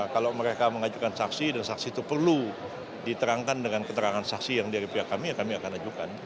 kalau mereka mengajukan saksi dan saksi itu perlu diterangkan dengan keterangan saksi yang dari pihak kami ya kami akan ajukan